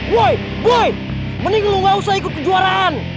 booy menying lo ga usah ikut keemajaan